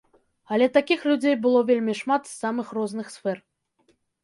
Але такіх людзей было вельмі шмат з самых розных сфер.